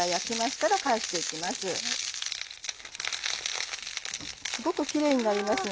すごくキレイになります